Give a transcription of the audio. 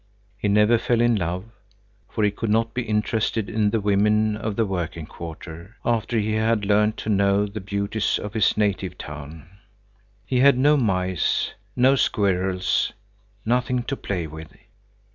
He never fell in love, for he could not be interested in the women of the working quarter, after he had learned to know the beauties of his native town. He had no mice, no squirrels, nothing to play with.